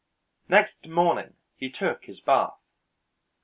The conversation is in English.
Next morning he took his bath.